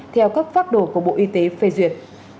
theo các phác đồ của bộ y tế phê duyệt